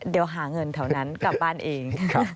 เดี๋ยวหาเงินแถวนั้นกลับบ้านเอง